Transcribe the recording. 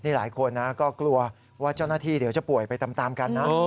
หลายคนนะก็กลัวว่าเจ้าหน้าที่เดี๋ยวจะป่วยไปตามกันนะ